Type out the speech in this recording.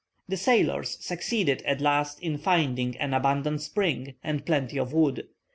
The sailors succeeded at last in finding an abundant spring, and plenty of wood.